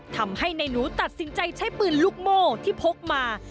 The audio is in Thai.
ทำให้นายหนูตัดสินใจใช้ปืนลูกโม่ที่พกมา